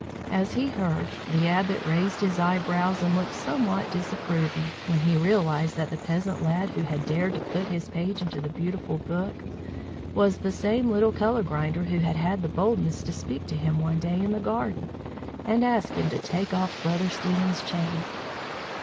As he heard, the Abbot raised his eyebrows and looked somewhat disapproving, when he realized that the peasant lad who had dared to put his page into the beautiful book was the same little colour grinder who had had the boldness to speak to him, one day in the garden, and ask him to take off Brother Stephen's chain.